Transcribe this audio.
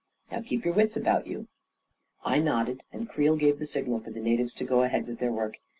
Now keep your wits about you !" I nodded, and Creel gave the signal for the na tives to go ahead with their work.